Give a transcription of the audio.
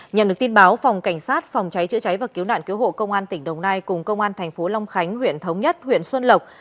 nhận được tin báo phòng cảnh sát phòng cháy chữa cháy và cứu nạn cứu hộ công an tỉnh đồng nai cùng công an thành phố long khánh huyện thống nhất huyện xuân lộc